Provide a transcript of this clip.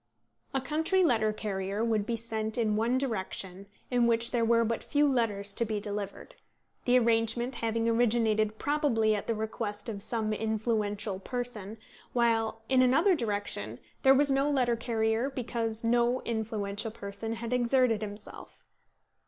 A country letter carrier would be sent in one direction in which there were but few letters to be delivered, the arrangement having originated probably at the request of some influential person, while in another direction there was no letter carrier because no influential person had exerted himself.